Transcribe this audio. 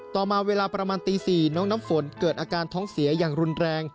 ต่อมาเวลาประมาณตี๔น้องน้ำฝนเกิดอาการท้องเสียอย่างรุนแรง